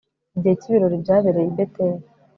Igihe cyibirori byabereye i Beteli